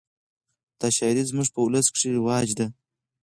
دا شاعري زموږ په اولس کښي رواج ده.